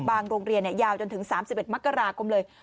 บางโรงเรียนเนี่ยยาวจนถึง๓๑มกราคมเลย